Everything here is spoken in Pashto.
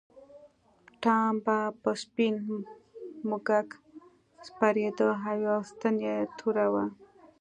ټام به په سپین موږک سپرېده او یوه ستن یې توره وه.